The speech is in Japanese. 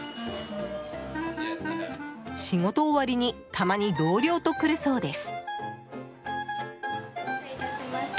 仕事終わりにたまに同僚と来るそうです。